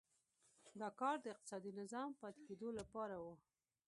دا کار د اقتصادي نظام پاتې کېدو لپاره و.